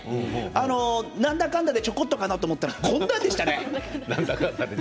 なんだかんだでちょこっとかなと思ったらこんなでしたね。